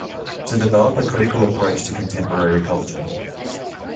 To develop a critical approach to contemporary culture.